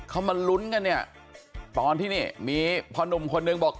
เขามาลุ้นกันเนี่ยตอนที่นี่มีพอหนุ่มคนนึงบอก